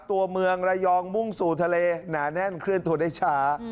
ตัวเมืองระยองมุ่งสู่ทะเลหนาแน่นเคลื่อนตัวได้ช้า